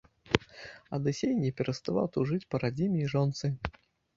Адысей не пераставаў тужыць па радзіме і жонцы.